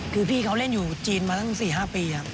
คือพี่เขาเล่นอยู่จีนมาตั้ง๔๕ปี